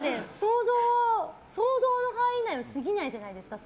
あくまで想像の範囲内にすぎないじゃないですか。